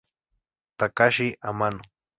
Takashi Amano